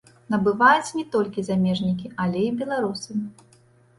Набываюць не толькі замежнікі, але і беларусы.